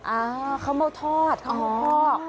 อ่าคาวเมาทอดคาวเมาทอด